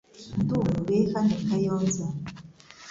Ndumiwe hano i Kayonza .